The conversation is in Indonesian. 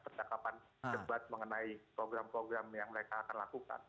percakapan debat mengenai program program yang mereka akan lakukan